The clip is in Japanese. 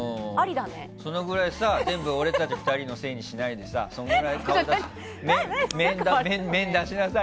そのぐらいさ、全部俺たち２人のせいにしないでさそれぐらいさ。